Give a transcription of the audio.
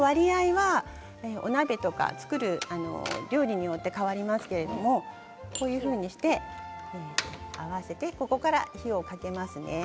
ここにおしょうゆ、この割合はお鍋とか作る料理によって変わりますけれどもこういうふうにして合わせてここから火にかけますね。